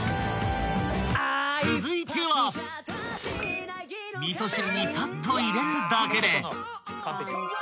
［味噌汁にさっと入れるだけで］